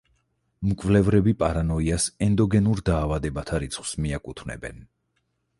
მკვლევრები პარანოიას ენდოგენურ დაავადებათა რიცხვს მიაკუთვნებენ.